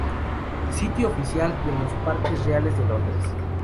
Sitio oficial de los Parques Reales de Londres